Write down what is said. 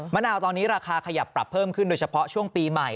มะนาวตอนนี้ราคาขยับปรับเพิ่มขึ้นโดยเฉพาะช่วงปีใหม่